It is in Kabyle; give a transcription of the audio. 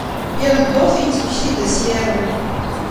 Yal dduṛt, yettmekti-d ad as-yaru.